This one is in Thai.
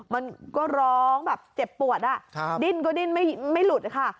มันก็ร้องแบบเจ็บปวดอ่ะดิ้นก็ดิ้นไม่หลุดค่ะ